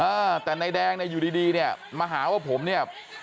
อ่าแต่นายแดงเนี่ยอยู่ดีดีเนี่ยมาหาว่าผมเนี่ย